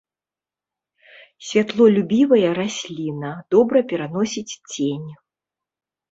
Святлолюбівая расліна, добра пераносіць цень.